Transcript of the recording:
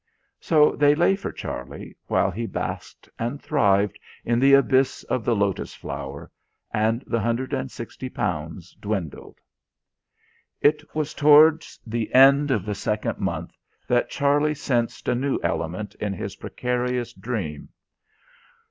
So they lay for Charlie, while he basked and thrived in the abyss of the lotus flower; and the £160 dwindled. It was towards the end of the second month that Charlie sensed a new element in his precarious dream.